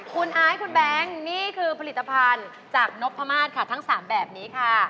คุณไอซ์คุณแบงค์นี่คือผลิตภัณฑ์จากนพมาศค่ะทั้ง๓แบบนี้ค่ะ